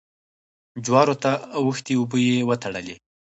جوارو ته اوښتې اوبه يې وتړلې.